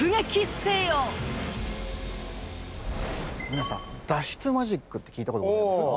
皆さん脱出マジックって聞いたことあります？